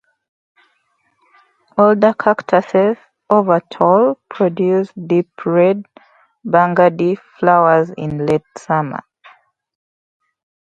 Older cactuses, over tall, produce deep red, burgundy, flowers in late summer.